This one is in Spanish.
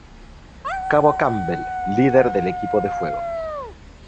Cabo Campbell: líder del equipo de Fuego.